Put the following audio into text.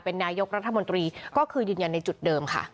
นายกรัฐมนตรีก็คือยืนยันในจุดเดิมค่ะ